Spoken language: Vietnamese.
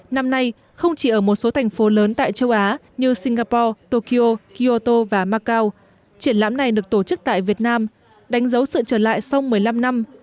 năm nay không chỉ ở một số thành phố lớn tại châu á như singapore tokyo kioto và macau triển lãm này được tổ chức tại việt nam đánh dấu sự trở lại sau một mươi năm năm